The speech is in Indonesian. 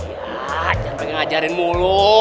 ya jangan ngajarin mulu